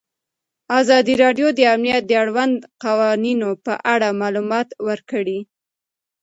ازادي راډیو د امنیت د اړونده قوانینو په اړه معلومات ورکړي.